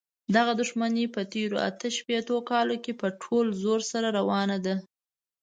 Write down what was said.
دغه دښمني په تېرو اته شپېتو کالونو کې په ټول زور سره روانه ده.